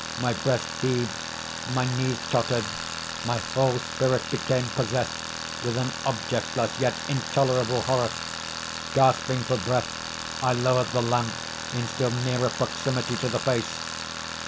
My breast heaved, my knees tottered, my whole spirit became possessed with an objectless yet intolerable horror. Gasping for breath, I lowered the lamp in still nearer proximity to the face.